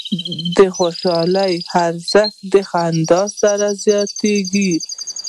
د خوشحالۍ ارزښت د خندا سره زیاتېږي.